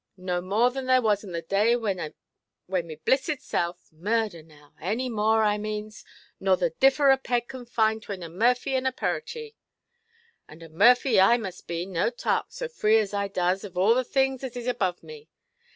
No more than there was on the day when my blissed self—murder now!—any more, I manes, nor the differ a peg can find 'twane a murphy and a purratie. And a Murphy I must be, to tark, so free as I does, of the things as is above me.